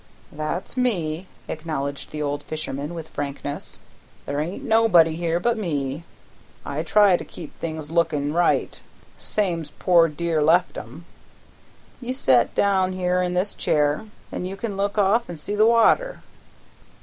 "That's me," acknowledged the old fisherman with frankness. "There ain't nobody here but me. I try to keep things looking right, same's poor dear left 'em. You set down here in this chair, then you can look off an' see the water.